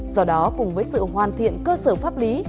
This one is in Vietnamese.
do đó cùng với sự hoàn thiện cơ sở pháp lý